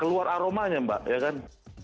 keluar aromanya mbak ya kan